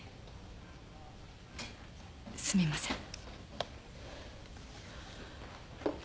すみません。